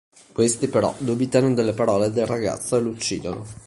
Questi però dubitano delle parole del ragazzo e lo uccidono.